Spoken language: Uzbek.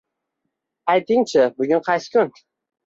Ayting-chi, bugun qaysi kun